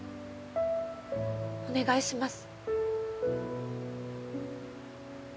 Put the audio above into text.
お願いします。